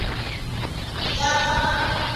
زه به سبا د کتابتوننۍ سره مرسته کوم!.